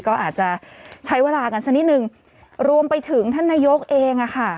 ก็อาจจะใช้เวลากันสักนิดนึงรวมไปถึงท่านนายกเองอะค่ะ